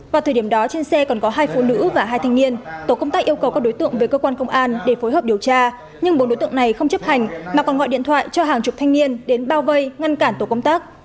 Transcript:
vào thời điểm đó trên xe còn có hai phụ nữ và hai thanh niên tổ công tác yêu cầu các đối tượng về cơ quan công an để phối hợp điều tra nhưng bốn đối tượng này không chấp hành mà còn gọi điện thoại cho hàng chục thanh niên đến bao vây ngăn cản tổ công tác